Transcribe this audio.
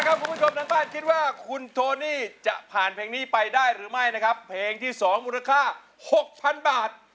กำลังใจให้คุณโทนี่นะครับเหล่นที่สองมูลค่า๖๐๐๐บาท